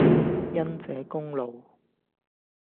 因這功勞，